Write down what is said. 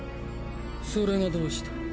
それがどうした。